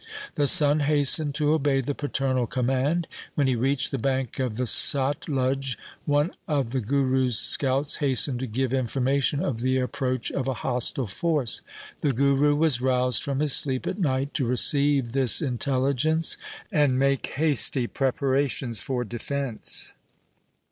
The son hastened to obey the paternal command. When he reached the bank of the Satluj one of the Guru's scouts hastened to give information of the approach of a hostile force. The Guru was roused from his sleep at night to receive this intelligence and make hasty preparations for defence.